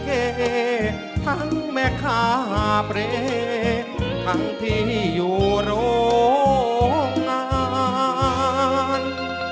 ทั้งแม่ข้าพเลทั้งที่อยู่โรงงาน